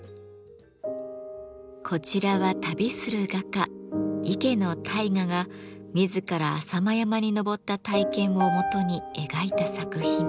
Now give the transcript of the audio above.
こちらは旅する画家池大雅が自ら浅間山に登った体験をもとに描いた作品。